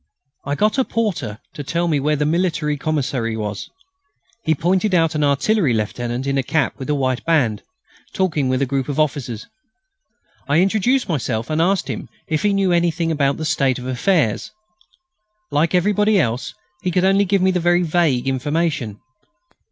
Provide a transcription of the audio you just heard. I got a porter to tell me where the military commissary was. He pointed out an Artillery lieutenant, in a cap with a white band, talking to a group of officers. I introduced myself, and asked him if he knew anything about the state of affairs. Like everybody else, he could only give me very vague information.